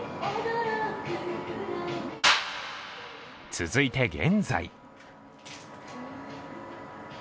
続いて現在。